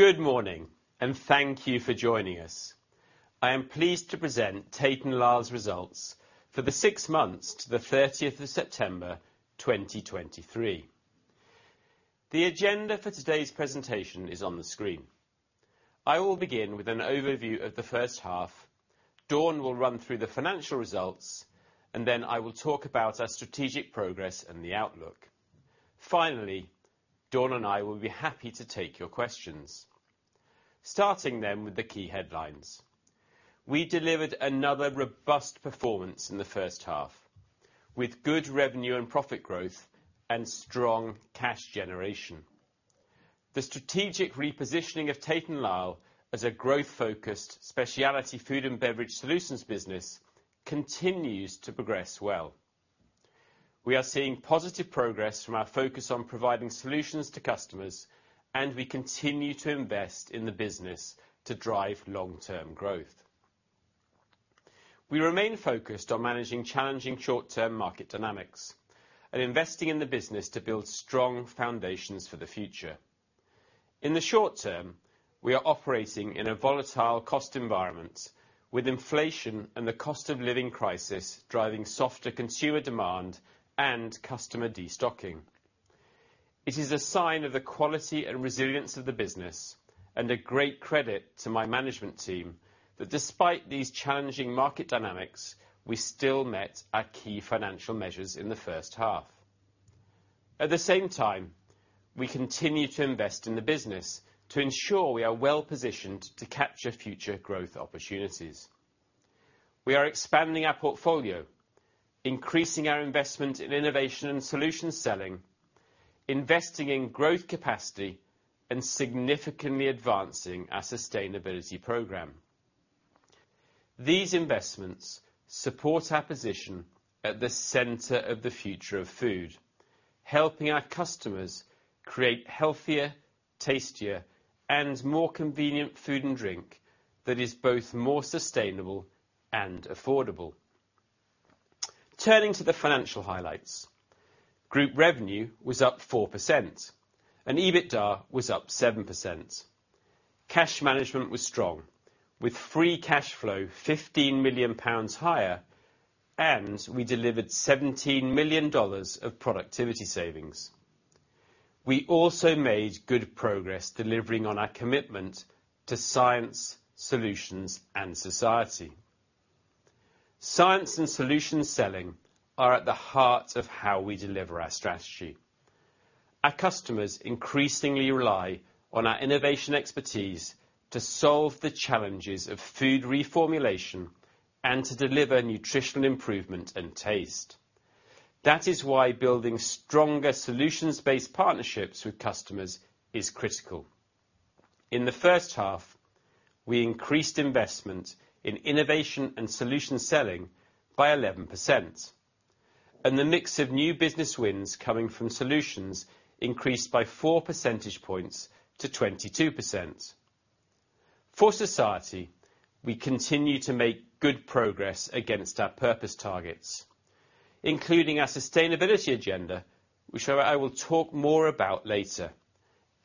Good morning, and thank you for joining us. I am pleased to present Tate & Lyle's results for the six months to the 30th of September 2023. The agenda for today's presentation is on the screen. I will begin with an overview of the first half. Dawn will run through the financial results, and then I will talk about our strategic progress and the outlook. Finally, Dawn and I will be happy to take your questions. Starting then with the key headlines. We delivered another robust performance in the first half, with good revenue and profit growth and strong cash generation. The strategic repositioning of Tate & Lyle as a growth-focused specialty Food & Beverage Solutions business continues to progress well. We are seeing positive progress from our focus on providing solutions to customers, and we continue to invest in the business to drive long-term growth. We remain focused on managing challenging short-term market dynamics and investing in the business to build strong foundations for the future. In the short term, we are operating in a volatile cost environment, with inflation and the cost of living crisis driving softer consumer demand and customer destocking. It is a sign of the quality and resilience of the business and a great credit to my management team that despite these challenging market dynamics, we still met our key financial measures in the first half. At the same time, we continue to invest in the business to ensure we are well positioned to capture future growth opportunities. We are expanding our portfolio, increasing our investment in innovation and solution selling, investing in growth capacity, and significantly advancing our sustainability program. These investments support our position at the center of the future of food, helping our customers create healthier, tastier, and more convenient food and drink that is both more sustainable and affordable. Turning to the financial highlights, group revenue was up 4%, and EBITDA was up 7%. Cash management was strong, with free cash flow GBP 15 million higher, and we delivered $17 million of productivity savings. We also made good progress delivering on our commitment to Science, Solutions, and Society. Science and solution selling are at the heart of how we deliver our strategy. Our customers increasingly rely on our innovation expertise to solve the challenges of food reformulation and to deliver nutritional improvement and taste. That is why building stronger solutions-based partnerships with customers is critical. In the first half, we increased investment in innovation and solution selling by 11%, and the mix of new business wins coming from solutions increased by 4 percentage points to 22%. For society, we continue to make good progress against our purpose targets, including our sustainability agenda, which I will talk more about later,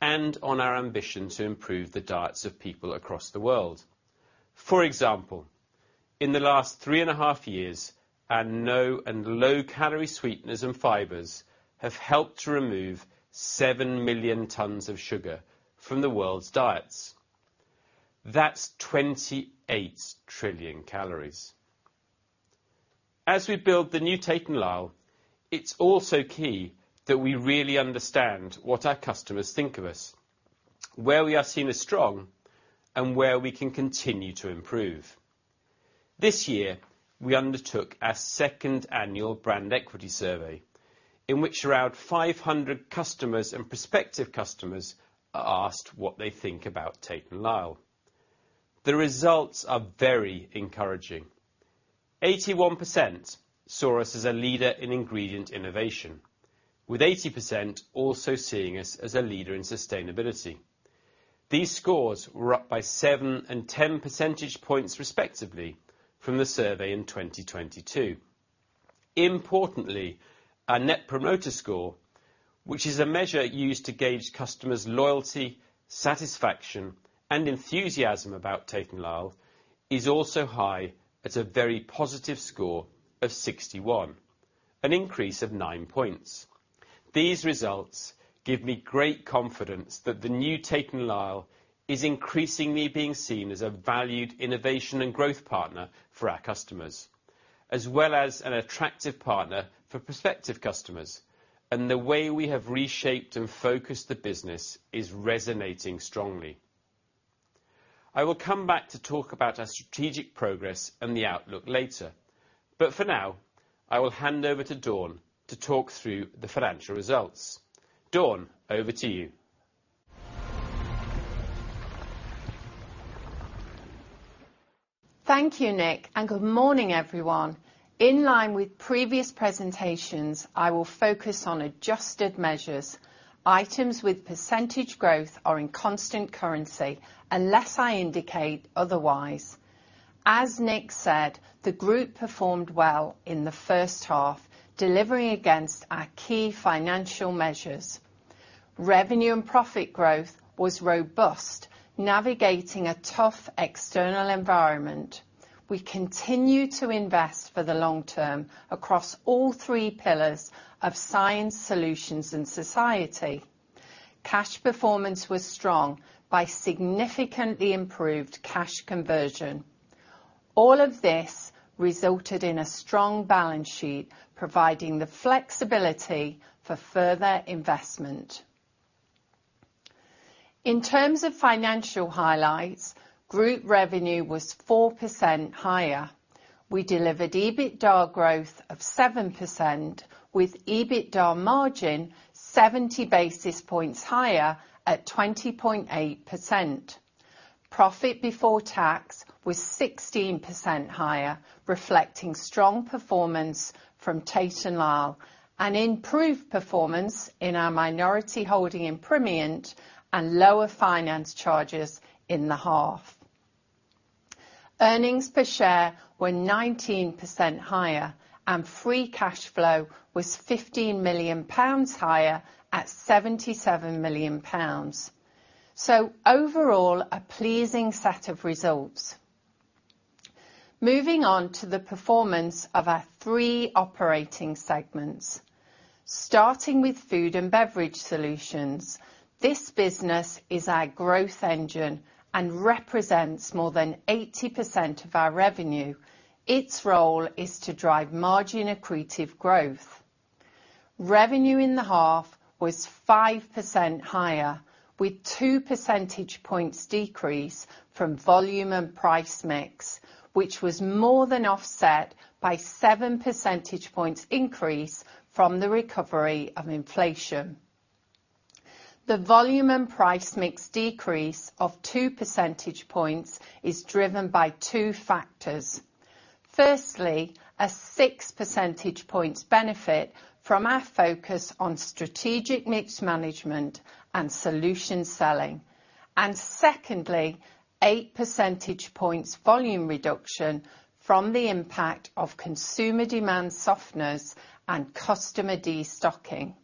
and on our ambition to improve the diets of people across the world. For example, in the last three and a half years, our no and low-calorie sweeteners and fibers have helped to remove 7 million tons of sugar from the world's diets. That's 28 trillion calories! As we build the new Tate & Lyle, it's also key that we really understand what our customers think of us, where we are seen as strong, and where we can continue to improve. This year, we undertook our second annual brand equity survey, in which around 500 customers and prospective customers are asked what they think about Tate & Lyle. The results are very encouraging. 81% saw us as a leader in ingredient innovation, with 80% also seeing us as a leader in sustainability. These scores were up by 7 and 10 percentage points, respectively, from the survey in 2022. Importantly, our Net Promoter Score, which is a measure used to gauge customers' loyalty, satisfaction, and enthusiasm about Tate & Lyle, is also high at a very positive score of 61, an increase of 9 points. These results give me great confidence that the new Tate & Lyle is increasingly being seen as a valued innovation and growth partner for our customers, as well as an attractive partner for prospective customers, and the way we have reshaped and focused the business is resonating strongly. I will come back to talk about our strategic progress and the outlook later, but for now, I will hand over to Dawn to talk through the financial results. Dawn, over to you. Thank you, Nick, and good morning, everyone. In line with previous presentations, I will focus on adjusted measures. Items with percentage growth are in constant currency, unless I indicate otherwise, as Nick said, the group performed well in the first half, delivering against our key financial measures. Revenue and profit growth was robust, navigating a tough external environment. We continue to invest for the long term across all three pillars of Science, Solutions, and Society. Cash performance was strong by significantly improved cash conversion. All of this resulted in a strong balance sheet, providing the flexibility for further investment. In terms of financial highlights, group revenue was 4% higher. We delivered EBITDA growth of 7%, with EBITDA margin 70 basis points higher at 20.8%. Profit before tax was 16% higher, reflecting strong performance from Tate & Lyle, and improved performance in our minority holding in Primient, and lower finance charges in the half. Earnings per share were 19% higher, and free cash flow was 15 million pounds higher at 77 million pounds. So overall, a pleasing set of results. Moving on to the performance of our three operating segments. Starting with Food & Beverage Solutions, this business is our growth engine and represents more than 80% of our revenue. Its role is to drive margin accretive growth. Revenue in the half was 5% higher, with two percentage points decrease from volume and price mix, which was more than offset by seven percentage points increase from the recovery of inflation. The volume and price mix decrease of two percentage points is driven by two factors. Firstly, a six percentage points benefit from our focus on strategic mix management and solution selling. Secondly, eight percentage points volume reduction from the impact of consumer demand softness and customer destocking.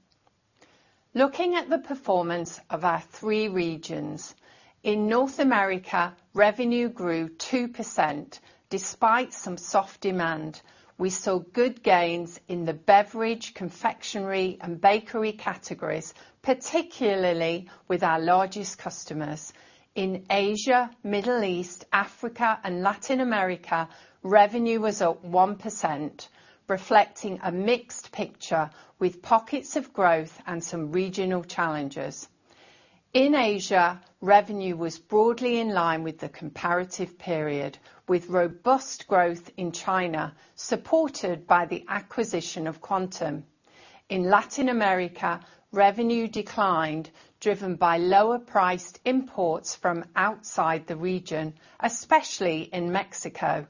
Looking at the performance of our three regions, in North America, revenue grew 2%. Despite some soft demand, we saw good gains in the beverage, confectionery, and bakery categories, particularly with our largest customers. In Asia, Middle East, Africa, and Latin America, revenue was up 1%, reflecting a mixed picture with pockets of growth and some regional challenges. In Asia, revenue was broadly in line with the comparative period, with robust growth in China, supported by the acquisition of Quantum. In Latin America, revenue declined, driven by lower priced imports from outside the region, especially in Mexico.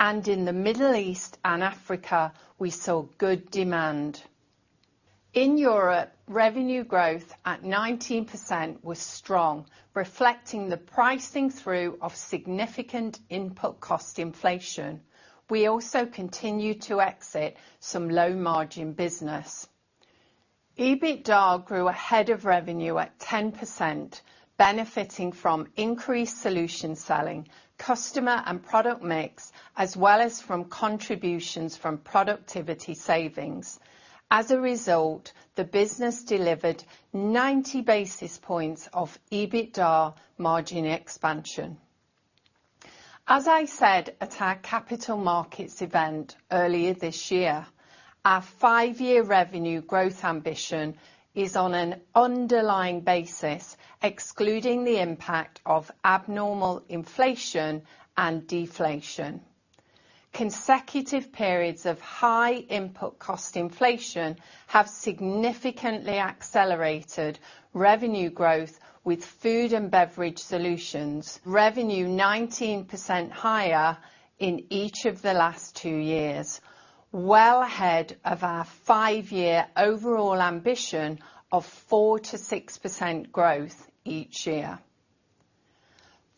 In the Middle East and Africa, we saw good demand. In Europe, revenue growth at 19% was strong, reflecting the pricing through of significant input cost inflation. We also continued to exit some low-margin business. EBITDA grew ahead of revenue at 10%, benefiting from increased solution selling, customer and product mix, as well as from contributions from productivity savings. As a result, the business delivered 90 basis points of EBITDA margin expansion. As I said at our capital markets event earlier this year, our five-year revenue growth ambition is on an underlying basis, excluding the impact of abnormal inflation and deflation. Consecutive periods of high input cost inflation have significantly accelerated revenue growth, with Food & Beverage Solutions revenue 19% higher in each of the last two years, well ahead of our five-year overall ambition of 4% to6% growth each year.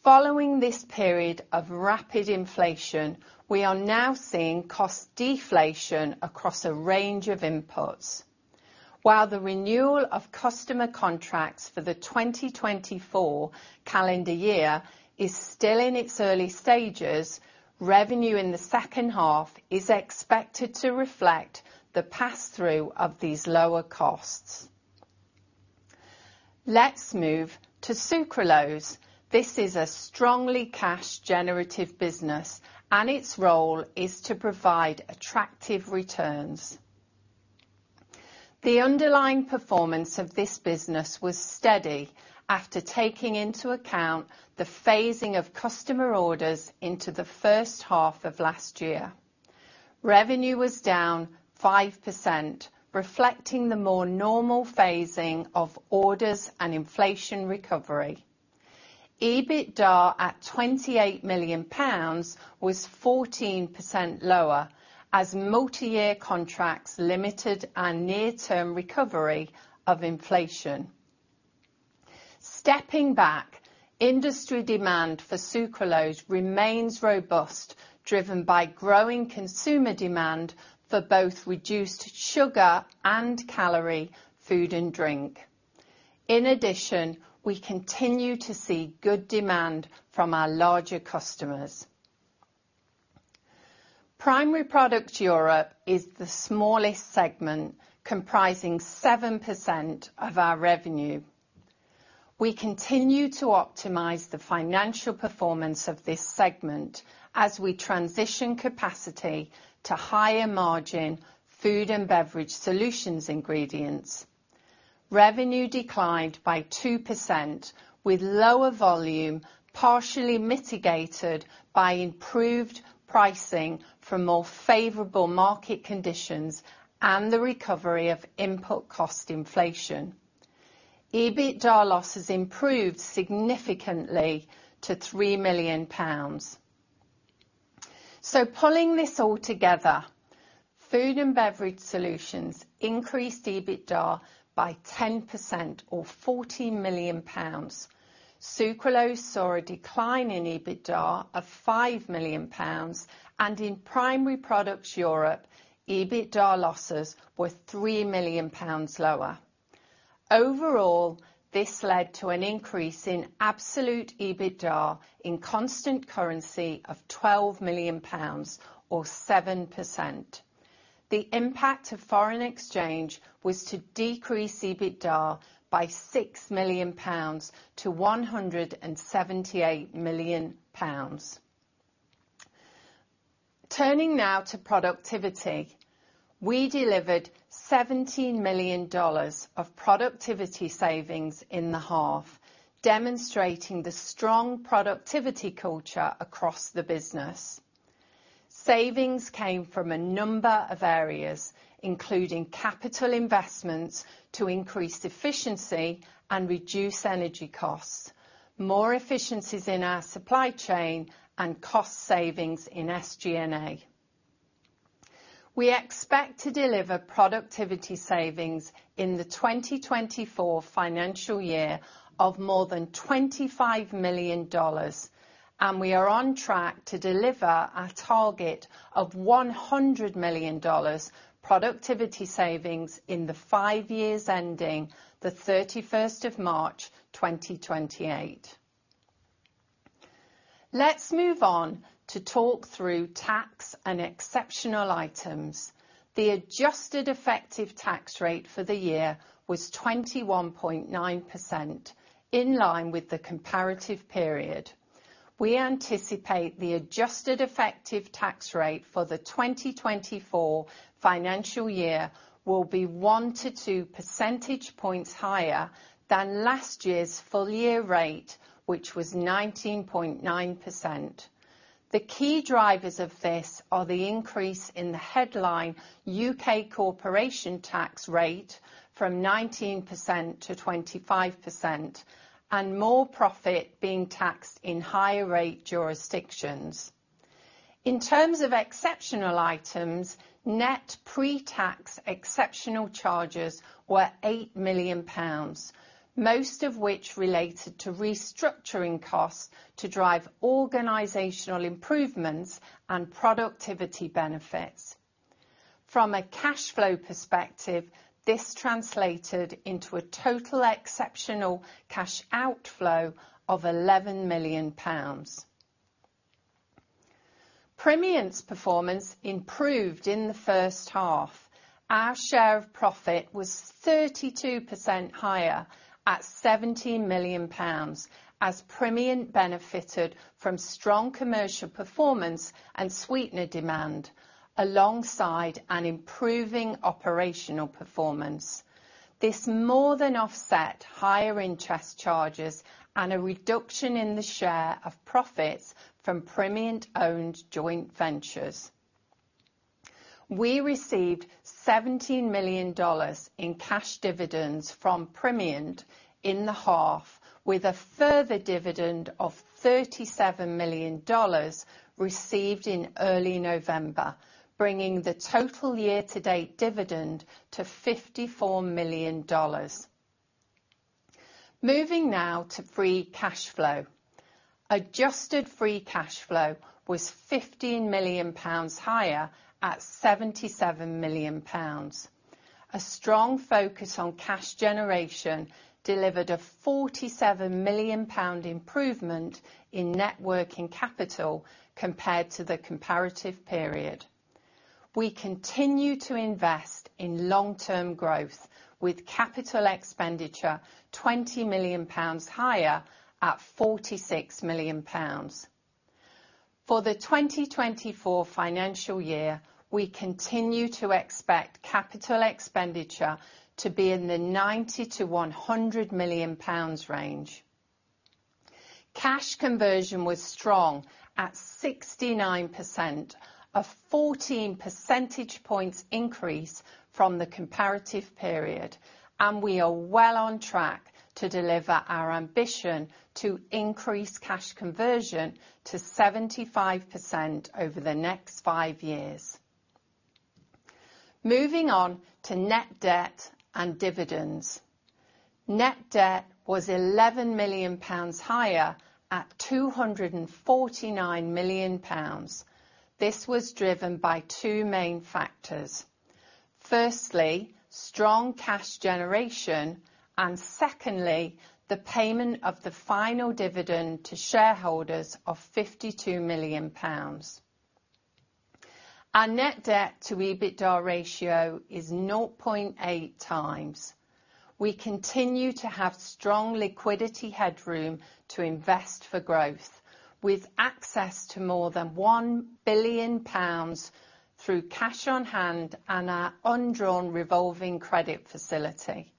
Following this period of rapid inflation, we are now seeing cost deflation across a range of inputs. While the renewal of customer contracts for the 2024 calendar year is still in its early stages, revenue in the second half is expected to reflect the pass-through of these lower costs. Let's move to Sucralose. This is a strongly cash generative business, and its role is to provide attractive returns. The underlying performance of this business was steady after taking into account the phasing of customer orders into the first half of last year. Revenue was down 5%, reflecting the more normal phasing of orders and inflation recovery. EBITDA, at 28 million pounds, was 14% lower as multi-year contracts limited our near-term recovery of inflation. Stepping back, industry demand for Sucralose remains robust, driven by growing consumer demand for both reduced sugar and calorie, food and drink. In addition, we continue to see good demand from our larger customers. Primary Products Europe is the smallest segment, comprising 7% of our revenue. We continue to optimize the financial performance of this segment as we transition capacity to higher margin Food & Beverage Solutions ingredients. Revenue declined by 2%, with lower volume partially mitigated by improved pricing from more favorable market conditions and the recovery of input cost inflation. EBITDA losses improved significantly to 3 million pounds. So pulling this all together, Food & Beverage Solutions increased EBITDA by 10% or 40 million pounds. Sucralose saw a decline in EBITDA of 5 million pounds, and in Primary Products Europe, EBITDA losses were 3 million pounds lower. Overall, this led to an increase in absolute EBITDA in constant currency of 12 million pounds or 7%. The impact of foreign exchange was to decrease EBITDA by 6 million pounds to 178 million pounds. Turning now to productivity, we delivered $17 million of productivity savings in the half, demonstrating the strong productivity culture across the business. Savings came from a number of areas, including capital investments to increase efficiency and reduce energy costs, more efficiencies in our supply chain, and cost savings in SG&A. We expect to deliver productivity savings in the 2024 financial year of more than $25 million, and we are on track to deliver our target of $100 million productivity savings in the five years ending the 31st of March 2028. Let's move on to talk through tax and exceptional items. The adjusted effective tax rate for the year was 21.9%, in line with the comparative period. We anticipate the adjusted effective tax rate for the 2024 financial year will be one to two percentage points higher than last year's full year rate, which was 19.9%. The key drivers of this are the increase in the headline U.K. corporation tax rate from 19%-25%, and more profit being taxed in higher rate jurisdictions. In terms of exceptional items, net pre-tax exceptional charges were 8 million pounds, most of which related to restructuring costs to drive organizational improvements and productivity benefits. From a cash flow perspective, this translated into a total exceptional cash outflow of GBP 11 million. Primient's performance improved in the first half. Our share of profit was 32% higher at 70 million pounds, as Primient benefited from strong commercial performance and sweetener demand, alongside an improving operational performance. This more than offset higher interest charges and a reduction in the share of profits from Primient-owned joint ventures. We received $17 million in cash dividends from Primient in the half, with a further dividend of $37 million received in early November, bringing the total year to date dividend to $54 million. Moving now to free cash flow. Adjusted free cash flow was 15 million pounds higher at 77 million pounds. A strong focus on cash generation delivered a 47 million pound improvement in net working capital compared to the comparative period. We continue to invest in long-term growth, with capital expenditure 20 million pounds higher at 46 million pounds. For the 2024 financial year, we continue to expect capital expenditure to be in the 90 to 100 million range. Cash conversion was strong at 69%, a 14 percentage points increase from the comparative period, and we are well on track to deliver our ambition to increase cash conversion to 75% over the next five years. Moving on to net debt and dividends. Net debt was 11 million pounds higher at 249 million pounds. This was driven by two main factors. Firstly, strong cash generation, and secondly, the payment of the final dividend to shareholders of 52 million pounds. Our net debt to EBITDA ratio is 0.8 times. We continue to have strong liquidity headroom to invest for growth, with access to more than 1 billion pounds through cash on hand and our undrawn revolving credit facility.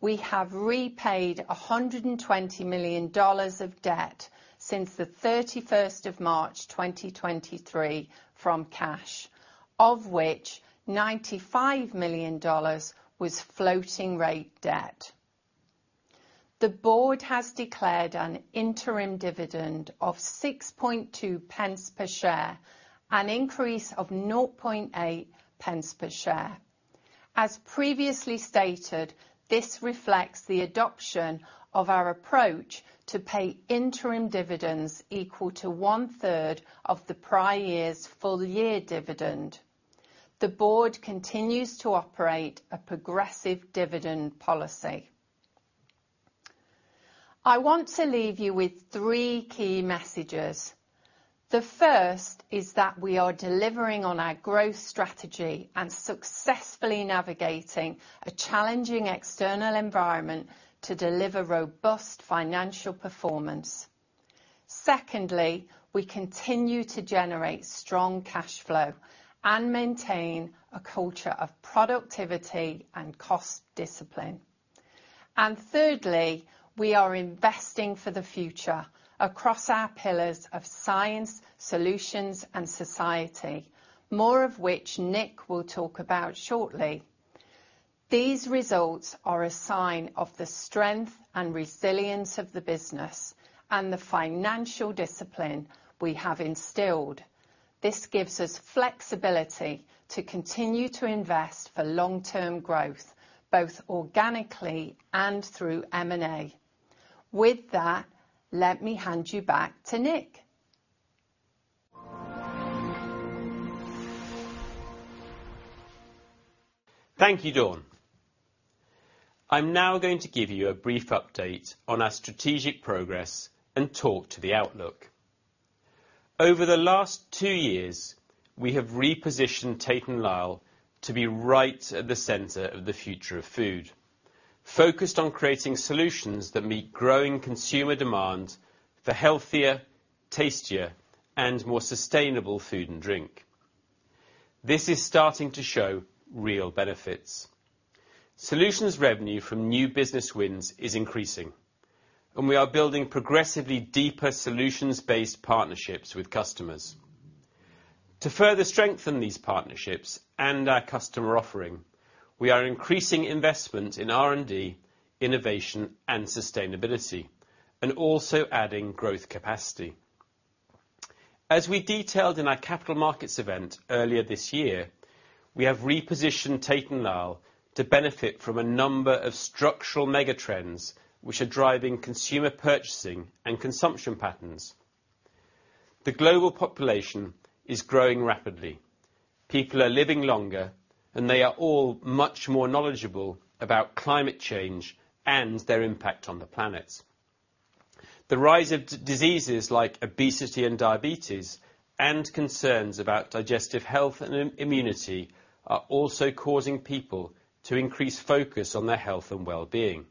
We have repaid $120 million of debt since the thirty-first of March, 2023, from cash, of which $95 million was floating rate debt. The board has declared an interim dividend of 6.2 pence per share, an increase of 0.8 pence per share. As previously stated, this reflects the adoption of our approach to pay interim dividends equal to one third of the prior year's full year dividend. The board continues to operate a progressive dividend policy. I want to leave you with three key messages. The first is that we are delivering on our growth strategy and successfully navigating a challenging external environment to deliver robust financial performance. Secondly, we continue to generate strong cash flow and maintain a culture of productivity and cost discipline. Thirdly, we are investing for the future across our pillars of Science, Solutions, and Society, more of which Nick will talk about shortly. These results are a sign of the strength and resilience of the business and the financial discipline we have instilled. This gives us flexibility to continue to invest for long-term growth, both organically and through M&A. With that, let me hand you back to Nick. Thank you, Dawn. I'm now going to give you a brief update on our strategic progress and talk to the outlook. Over the last two years, we have repositioned Tate & Lyle to be right at the center of the future of food, focused on creating solutions that meet growing consumer demand for healthier, tastier, and more sustainable food and drink. This is starting to show real benefits. Solutions revenue from new business wins is increasing, and we are building progressively deeper solutions-based partnerships with customers. To further strengthen these partnerships and our customer offering, we are increasing investment in R&D, innovation, and sustainability, and also adding growth capacity. As we detailed in our capital markets event earlier this year, we have repositioned Tate & Lyle to benefit from a number of structural mega trends, which are driving consumer purchasing and consumption patterns. The global population is growing rapidly. People are living longer, and they are all much more knowledgeable about climate change and their impact on the planet. The rise of diseases like obesity and diabetes, and concerns about digestive health and immunity, are also causing people to increase focus on their health and well-being.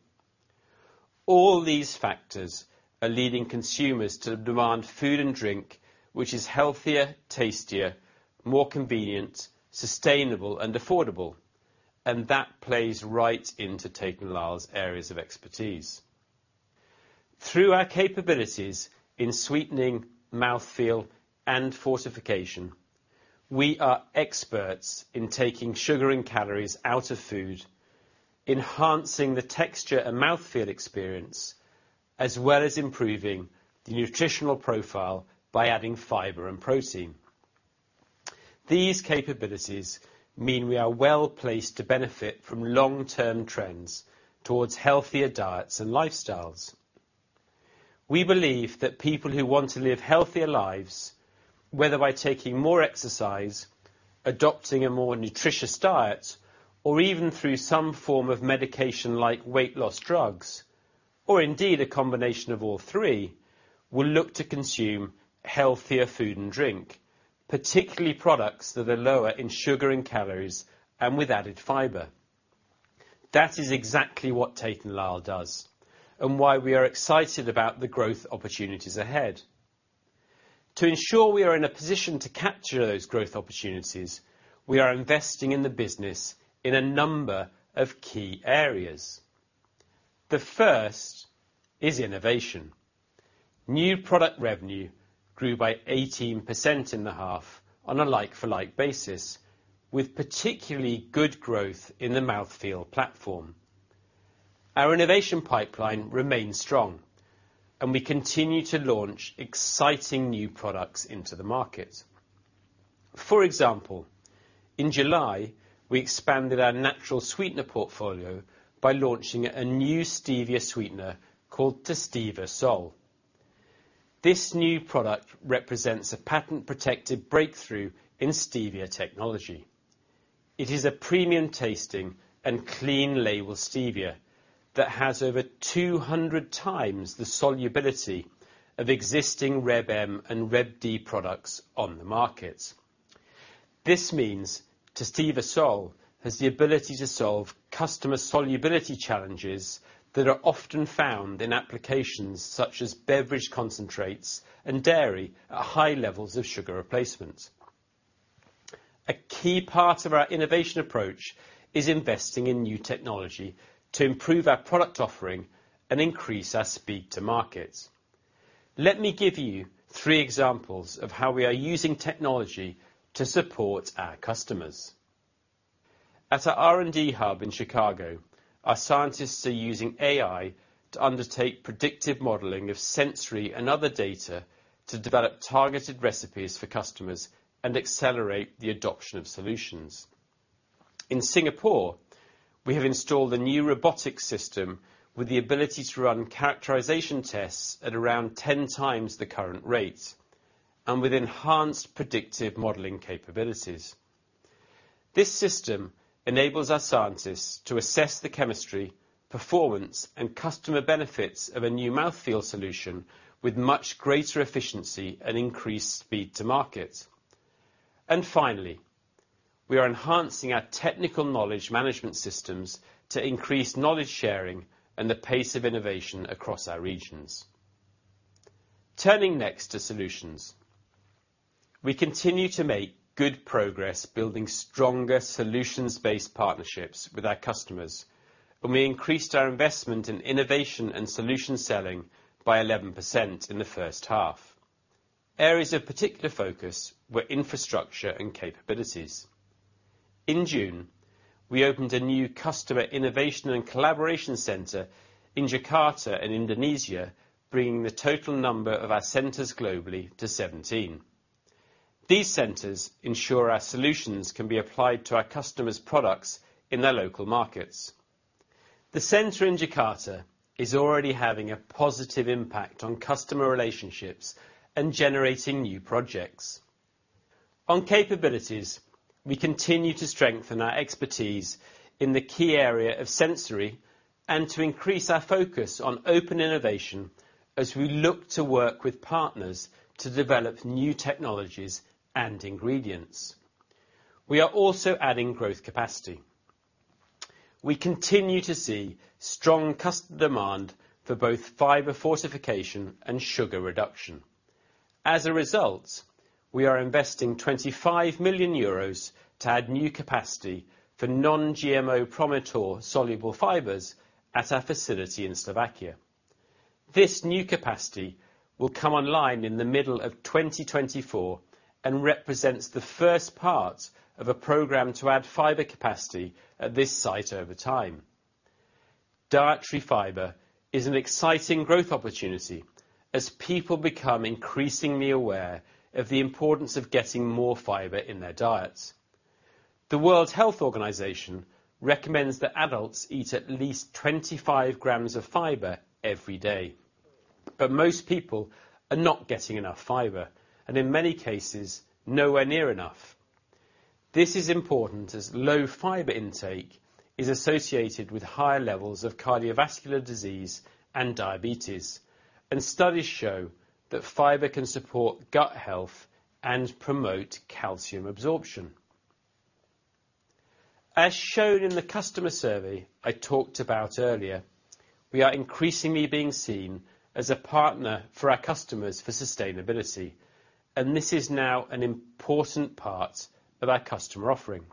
All these factors are leading consumers to demand food and drink, which is healthier, tastier, more convenient, sustainable, and affordable, and that plays right into Tate & Lyle's areas of expertise. Through our capabilities in sweetening, mouthfeel, and fortification, we are experts in taking sugar and calories out of food, enhancing the texture and mouthfeel experience, as well as improving the nutritional profile by adding fiber and protein. These capabilities mean we are well-placed to benefit from long-term trends towards healthier diets and lifestyles. We believe that people who want to live healthier lives, whether by taking more exercise, adopting a more nutritious diet, or even through some form of medication, like weight loss drugs, or indeed, a combination of all three, will look to consume healthier food and drink, particularly products that are lower in sugar and calories and with added fiber. That is exactly what Tate & Lyle does and why we are excited about the growth opportunities ahead. To ensure we are in a position to capture those growth opportunities, we are investing in the business in a number of key areas. The first is innovation. New product revenue grew by 18% in the half on a like for like basis, with particularly good growth in the mouthfeel platform. Our innovation pipeline remains strong, and we continue to launch exciting new products into the market. For example, in July, we expanded our natural sweetener portfolio by launching a new stevia sweetener called TASTEVA SOL. This new product represents a patent-protected breakthrough in stevia technology. It is a premium tasting and clean label stevia that has over 200 times the solubility of existing Reb M and Reb D products on the market. This means TASTEVA SOL has the ability to solve customer solubility challenges that are often found in applications such as beverage concentrates and dairy at high levels of sugar replacement. A key part of our innovation approach is investing in new technology to improve our product offering and increase our speed to market. Let me give you three examples of how we are using technology to support our customers. At our R&D hub in Chicago, our scientists are using AI to undertake predictive modeling of sensory and other data to develop targeted recipes for customers and accelerate the adoption of solutions. In Singapore, we have installed a new robotic system with the ability to run characterization tests at around 10 times the current rate, and with enhanced predictive modeling capabilities. This system enables our scientists to assess the chemistry, performance, and customer benefits of a new mouthfeel solution with much greater efficiency and increased speed to market. And finally, we are enhancing our technical knowledge management systems to increase knowledge sharing and the pace of innovation across our regions. Turning next to solutions. We continue to make good progress building stronger solutions-based partnerships with our customers, and we increased our investment in innovation and solution selling by 11% in the first half. Areas of particular focus were infrastructure and capabilities. In June, we opened a new customer innovation and collaboration center in Jakarta, in Indonesia, bringing the total number of our centers globally to 17. These centers ensure our solutions can be applied to our customers' products in their local markets. The center in Jakarta is already having a positive impact on customer relationships and generating new projects. On capabilities, we continue to strengthen our expertise in the key area of sensory, and to increase our focus on open innovation as we look to work with partners to develop new technologies and ingredients. We are also adding growth capacity. We continue to see strong custom demand for both fiber fortification and sugar reduction. As a result, we are investing 25 million euros to add new capacity for non-GMO PROMITOR soluble fibers at our facility in Slovakia. This new capacity will come online in the middle of 2024 and represents the first part of a program to add fiber capacity at this site over time. Dietary fiber is an exciting growth opportunity as people become increasingly aware of the importance of getting more fiber in their diets. The World Health Organization recommends that adults eat at least 25 grams of fiber every day, but most people are not getting enough fiber, and in many cases, nowhere near enough. This is important, as low fiber intake is associated with higher levels of cardiovascular disease and diabetes, and studies show that fiber can support gut health and promote calcium absorption. As shown in the customer survey I talked about earlier, we are increasingly being seen as a partner for our customers for sustainability, and this is now an important part of our customer offering.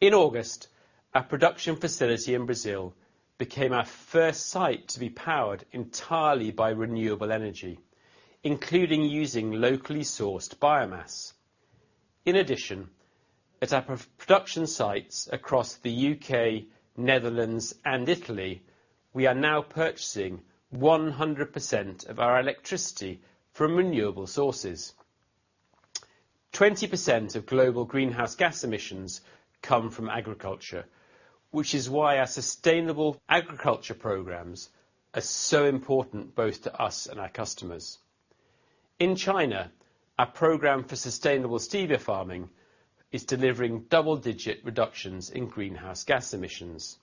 In August, our production facility in Brazil became our first site to be powered entirely by renewable energy, including using locally sourced biomass. In addition, at our production sites across the U.K., Netherlands, and Italy, we are now purchasing 100% of our electricity from renewable sources. 20% of global greenhouse gas emissions come from agriculture, which is why our sustainable agriculture programs are so important, both to us and our customers. In China, our program for sustainable stevia farming is delivering double-digit reductions in greenhouse gas emissions.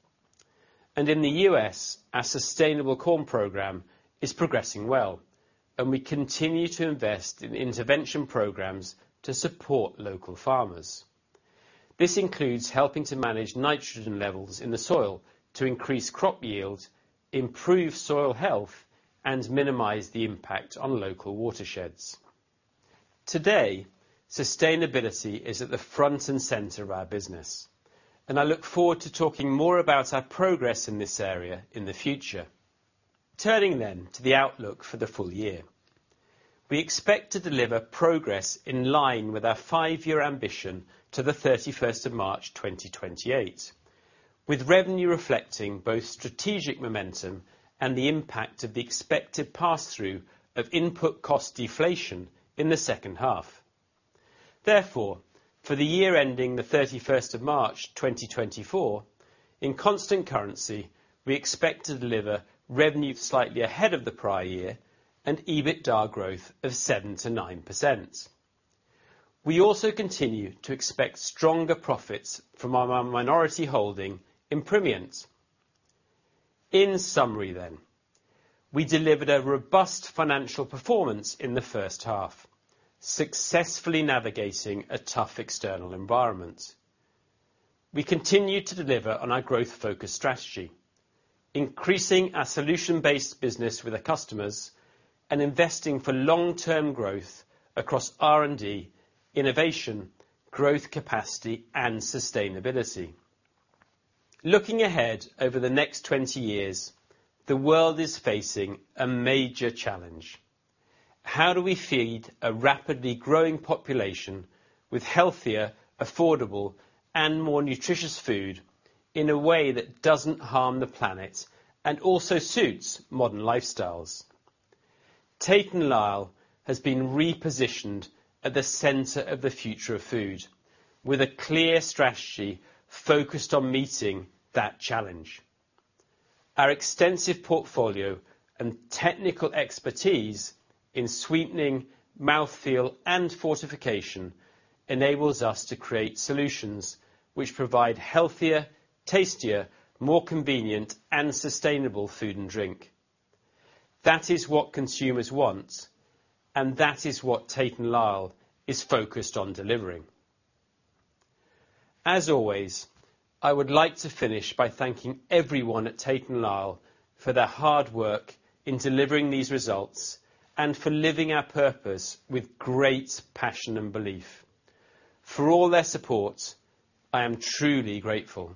And in the US, our sustainable corn program is progressing well, and we continue to invest in intervention programs to support local farmers. This includes helping to manage nitrogen levels in the soil to increase crop yield, improve soil health, and minimize the impact on local watersheds. Today, sustainability is at the front and center of our business, and I look forward to talking more about our progress in this area in the future. Turning then to the outlook for the full year. We expect to deliver progress in line with our five-year ambition to the 31st of March 2028, with revenue reflecting both strategic momentum and the impact of the expected pass-through of input cost deflation in the second half. Therefore, for the year ending the 31st of March 2024, in constant currency, we expect to deliver revenue slightly ahead of the prior year and EBITDA growth of 7% to 9%. We also continue to expect stronger profits from our minority holding in Primient. In summary then, we delivered a robust financial performance in the first half, successfully navigating a tough external environment. We continue to deliver on our growth-focused strategy, increasing our solution-based business with our customers and investing for long-term growth across R&D, innovation, growth capacity, and sustainability. Looking ahead, over the next 20 years, the world is facing a major challenge: How do we feed a rapidly growing population with healthier, affordable, and more nutritious food in a way that doesn't harm the planet and also suits modern lifestyles? Tate & Lyle has been repositioned at the center of the future of food, with a clear strategy focused on meeting that challenge. Our extensive portfolio and technical expertise in sweetening, mouthfeel, and fortification enables us to create solutions which provide healthier, tastier, more convenient, and sustainable food and drink. That is what consumers want, and that is what Tate & Lyle is focused on delivering. As always, I would like to finish by thanking everyone at Tate & Lyle for their hard work in delivering these results and for living our purpose with great passion and belief. For all their support, I am truly grateful.